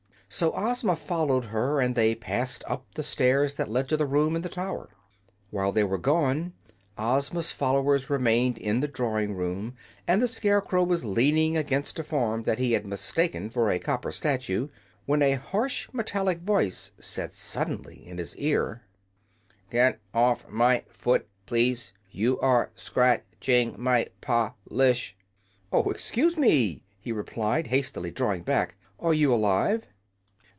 So Ozma followed her, and they passed up the stairs that led to the room in the tower. While they were gone Ozma's followers remained in the drawing room, and the Scarecrow was leaning against a form that he had mistaken for a copper statue when a harsh, metallic voice said suddenly in his ear: "Get off my foot, please. You are scratch ing my pol ish." "Oh, excuse me!" he replied, hastily drawing back. "Are you alive?"